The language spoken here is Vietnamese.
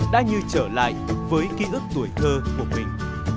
đã như trở lại với ký ức tuổi thơ của mình